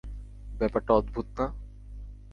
ব্যাপারটা অদ্ভুত না?